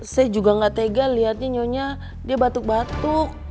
saya juga gak tega lihatnya nyonya dia batuk batuk